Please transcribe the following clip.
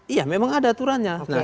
iya memang ada aturannya